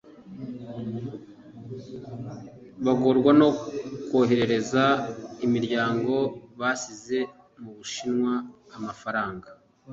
bagorwaga no koherereza imiryango basize mu Bushinwa amafaranga